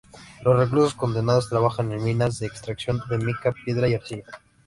Los reclusos condenados trabajaban en minas de extracción de mica, piedra y arcilla.